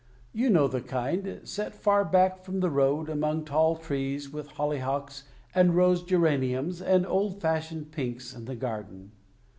You know the kind — set far back from the road, among tall trees, with hollyhocks, and rose geraniums and old fashioned pinks in the garden.